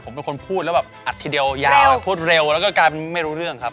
ผมเป็นคนพูดแล้วแบบอัดทีเดียวยาวพูดเร็วแล้วก็กลายเป็นไม่รู้เรื่องครับ